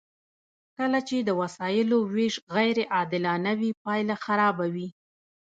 کله چې د وسایلو ویش غیر عادلانه وي پایله خرابه وي.